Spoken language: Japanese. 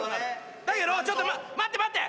だけどちょっと待って待って！